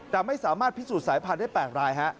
แต่ไม่สามารถพิสูจน์สายพันธุ์ได้๘ราย